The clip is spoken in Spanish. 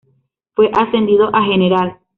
Fue ascendido a general.